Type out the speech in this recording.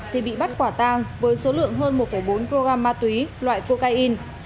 thì bị bắt quả tàng với số lượng hơn một bốn program ma túy loại cocaine